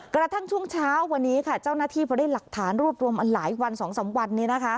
กระทั่งช่วงเช้าวันนี้ค่ะเจ้าหน้าที่พอได้หลักฐานรวบรวมมาหลายวัน๒๓วัน